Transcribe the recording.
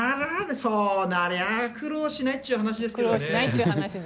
そうなりゃ苦労しないっちゅう話です。